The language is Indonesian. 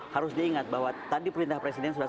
harus diingat bahwa tadi perintah presiden sudah